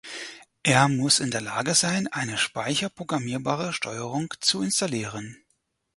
Er muss in der Lage sein, eine Speicherprogrammierbare Steuerung zu installieren.